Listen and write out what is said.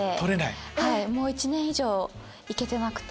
はいもう１年以上行けてなくて。